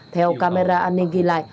theo camera an ninh ghi lại